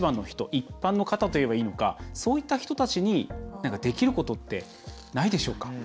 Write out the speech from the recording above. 一般の方といえばいいのかそういった人たちにできることってないでしょうか。